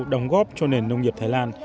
đóng góp cho nền nông nghiệp thái lan